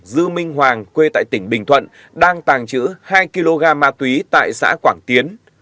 dư minh hoàng quê tại tỉnh bình thuận đang tàng trữ hai kg ma túy tại xã quảng tiến